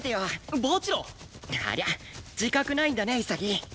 ありゃ？自覚ないんだね潔。